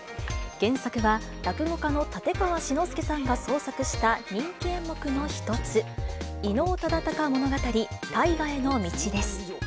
原作は落語家の立川志の輔さんが創作した人気演目の一つ、伊能忠敬物語大河への道です。